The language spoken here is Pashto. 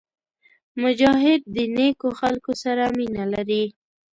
مجاهد د نیکو خلکو سره مینه لري.